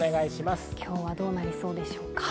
今日はどうなりそうでしょうか？